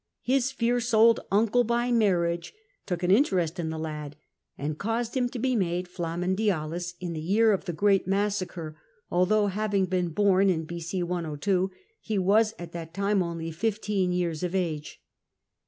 His fierce old nncle by marriage took an interest in the lad, and caused him to be made flamen dialis in the year of the great massacre, although (having been born in B.C. 102) he was at that time only fifteen years of age.